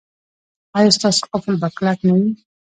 ایا ستاسو قفل به کلک نه وي؟